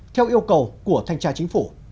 theo yêu cầu của thanh tra chính phủ